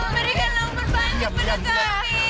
berikan lukin banget penderjain